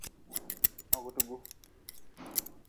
Hogdgu.